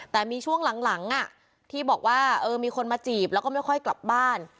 แต่มีช่วงหลังที่บอกว่ามีคนมาจีบแล้วก็ไม่ค่อยกลับบ้าน